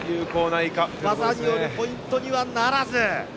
技によるポイントにはならず。